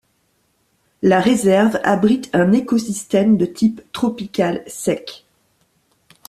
La réserve abrite un écosystème de type tropical sec.